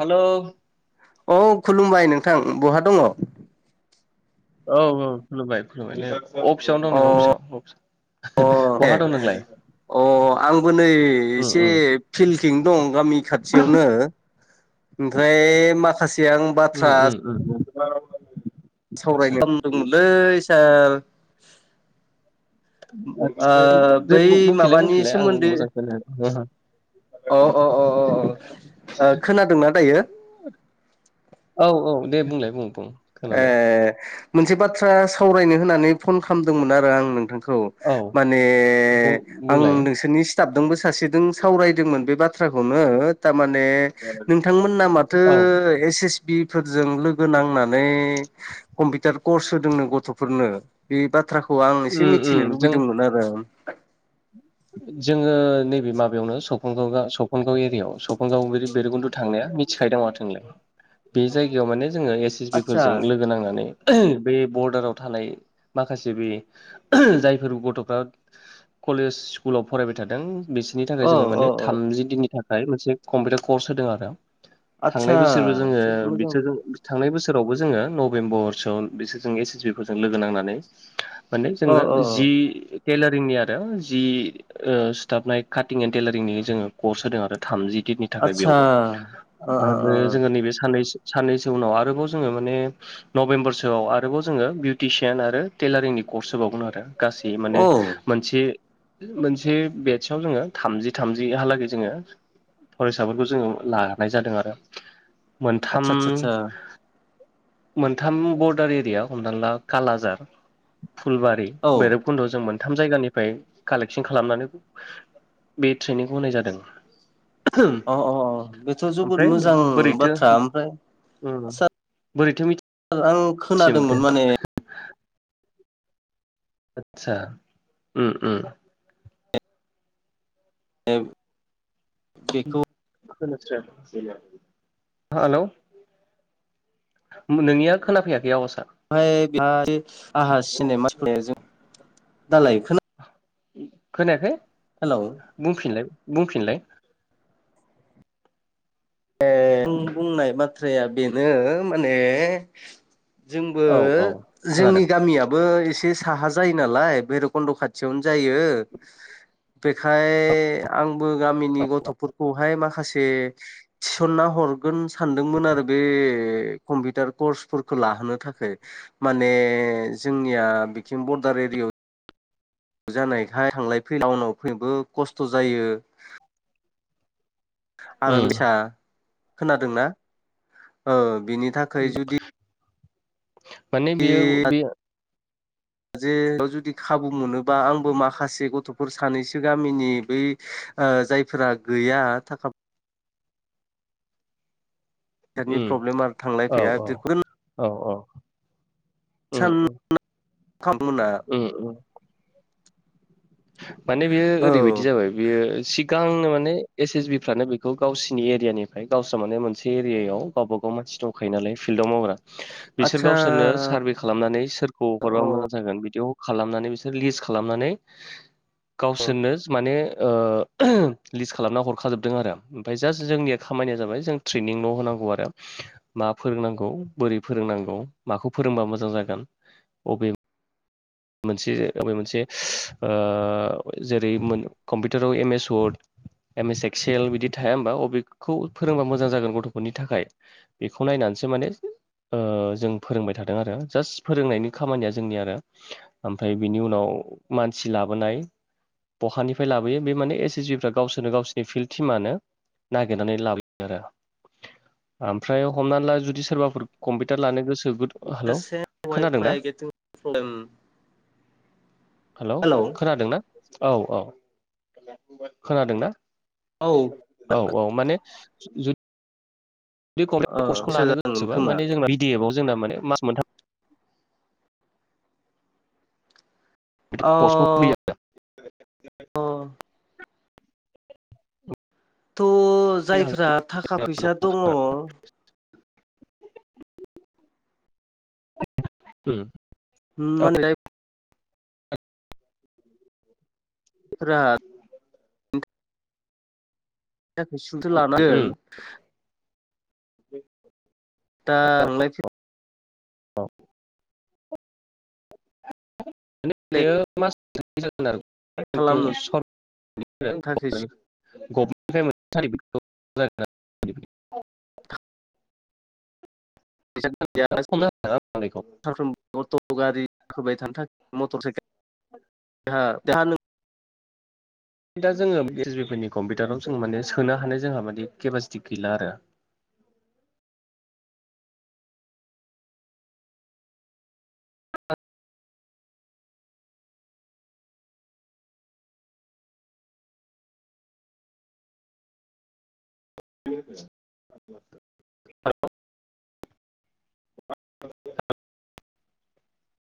Hello. औ खुलुमबाय नोंथां। बहा दङ'? औ औ खुलुमबाय खुलुमबाय। अफिसावनो दं अ नै अफिसाव अफिसाव। ए बहा दं नोंलाय? अ आंबो नै उम एसे उम फिल्डथिं दं गामि खाथियावनो ओमफ्राय माखासे आं बाथ्रा [unintelligible] आतसा सावरायनो खामदोमोनलै सार। ओ दे बै बुं बुंफिनलाय माबानि बुंफिनलाय आं सोमोन्दै मोजां खोनायाखै अ अ अ अ अ। ओ खोनादोंना दायो? औ औ दे बुंलाय बुं बुं। ए खोनादों मोनसे बाथ्रा सावरायनो होननानै फन खामदोंमोन आरो आं नोंथांखो। औ माने बुं आं बुंलाय नोंसोरनि स्ताबदोंबो सासेदों सावरायदोंमोन बे बाथ्राखौनो तामाने नोंथांमोनना माथो औ एस एस बि फोरजों लोगो नांनान नै कम्पिटार कर्स होदोंनो गथ'फोरनो। बे बाथ थ्राखौ आं एसे उम मिथिनो उम जों लुबैदोंमोन आरो उम। जोङो नैबे माबायावनो सपनगाव गा सपनगाव एरियायाव सपनगाव बैरुगुन्दु थांनाया मि थिखायोदां माथो नोंलाय। बे जायगायाव माने जोङो एस एस बि आतसा फोरजों लोगो नांनानै बै बरडाराव थानाय माखासे बे जायफोर गथ'फ्रा कलेज स्कुलाव फरायबाय थादों बिसोरनि थाखाय अ जोङो अ माने अ थामजि दिननि था खाय मोनसे कम्पिउटार कर्स होदों आरो आतसा थांनाय बोसोरबो जोङो जोबोद मोजां बिसोरजों थांनाय बोसोरावबो जोङो नभेम्बरसोआव बिसोरजों एस एस बि फोरजों लोगो नांनानै माने अ जोङो अ अ जि टेलारिंनि आरो जि ओ सुथाबनाय काटिं एन्टेलारिंनि जोङो कर्स होदों आरो थामजि दिननि थाखाय आतसा बेयावबो अ अ अ आरो जोङो नैबे साननैसो साननैसो उनाव आरोबाव जोङो माने नभेम्बर सोआव आरोबाव जोङो बिउटिसियान आरो टेलारिंनि कर्स होबावगोन आरो। गासै माने औ मोनसे मोनसे बेटसआव जोङो थामजि थामजिहालागै जोङो फरायसाफोरखौ जोङो लानाय जादों आरो। मोनथाम आतसा आतसा आतसा मोनथाम बरडार एरिया हमना ला कालाजार, फुलबारि औ भैरबखुन्द' जों मोनथाम जायगानिफ्राय कालेकसन खालामनानै बे ट्रेनिंखौ होनाय जादों। अ अ अ बेथ' जोबोद मोजां बाथ्रा ओमफ्राय ओम ओम बोरैथो मिथि आं खोनादोंमोन माने आतसा ओम ओम। ए। हेल'। नोंनिया खोनाफैयाखै आवासा। माय बे आंहा सिनेमा सि जों दालाय खोना खोनायाखै। हेलौ। बुंफिनलाय बुंफिनलाय। ए आं बुंनाय बाथ्राया बेनो माने जोंबो औ औ खोनादों जोंनि गामियाबो एसे साहा जायो नालाय भैरबकुन्द' खाथियावनो जायो बेखाय आंबो गामिनि गथ'फोरखौहाय माखासे थिसनना हरगोन सानदोंमोन आरो बे कम्पिउटार कर्सफोरखौ लाहोनो थाखाय माने जोंनिया बिथिं बरडार एरियाव जानायखाय थांलाय फैलाय टाउनाव फैनोबो खस्थ' जायो। आरलसा उम खोनादोंनाा औ बिनि था [inaudible] माने बेयो बे जे जुदि खाबु मोनोबा आंबो माखासे गथ'फोर सानैसो गामिनि बै जायफोरा गैया थाखा दानि उम प्रब्लेमा थांलाय औ फैया औ जोबगोन। औ औ। उम उम सानाव खामाय मावना [unintelligible] उम उम। माने बेयो ओरैबाय बिदि औ जाबाय बियो सिगांनो माने एस एस बि फानो बेखौ गावसिनि एरियानिफ्राय गावस्रा माने मोनसे एरियायाव गावबाागाव मानसि दंखायो नालाय फिल्डआव मावग्रा बिसोर आतसा गावसोरनो सारभे खालामनानै सोरखौ हरबा अ मोजां जागोन बिदिआव खालामनानै बिसोर लिस्ट खालामनानै गावसोरनो माने ओ लिस्ट खालामना हरखाजोबदों आरो ओमफफ्राय जास्ट जोंनिया खामानिया जाबाय जों ट्रेनिंल' होनांगौ आरो। मा फोरोंनांगौ बोरै फोरोंनांगौ माखौ फोरोंबा मोजां जागोन अबे मोनसे मोनसे जेरै कम्पिउटाराव M S Word M S Excel बिदि थाया होमबा अबेखौ फोरोंबा मोजां जागोन गथ'फोरनि थाखाय बेखौ नायनानैसो माने ओ जों फोरोंबाय थादों आरो जास्ट फोरोंनायनि खामानिया जोंनि आरो ओमफ्राय बिनि उनाव मानसि लाबोनाय बहानिफ्राय लाबोयो बे माने एस एस बिफ्रा गावसोरनो गावसिनि फिल्ड टिमानो नागिरनानै लाबोयो आरो। ओमफ्राय हमनानै ला जुदि सोरबाफोर कम्पिउटार लानो गोसो हेलौ जासे खोनादोंना अवाइपाय [unintelligible] हेल' खोनादोंना औ औ खोनादोंना? औ। औ औ माने जु दि कम्पिउटार कर्सखौ फैसा लानो जादोंमोन खोमा गोसोबामाने जोंना बि डि एफव जोंना माने मास मोनथाम बे अ पस्टखौ होयो थ' जायफ्रा थाखा फैसा दङ। आरो उम माहोनो फ [unintelligible] थाखायै सुंथो लानांगोन दा थांलाय औ फैलाय खालामनो थाखाय [unintelligible] [unintelligible] [unintelligible] सारफ्रोमबो अट' गारिाखोबाय थानो थाखाय मटर साइकेलहा [unintelligible] दा जोङो एस बि फोरनि कम्पिउटाराव जों माने सोनो हानाय जोंहा माने केपासिटि गैला आरो। हेलौ [unintelligible]